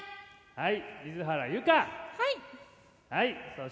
はい。